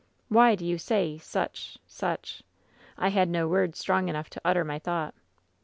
" *Why do you say such — such ' I had no word strong enough to utter my thought.